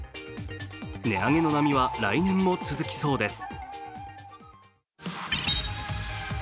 値上げの波は来年も続きそうです。